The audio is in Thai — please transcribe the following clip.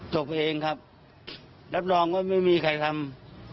ตัวเองครับรับรองว่าไม่มีใครทำ